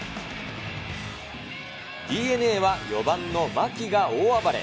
ＤｅＮＡは４番の牧が大暴れ。